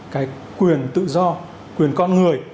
cái quyền tự do quyền con người